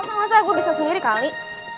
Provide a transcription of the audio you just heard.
eh gausah gausah gua bisa sendiri kali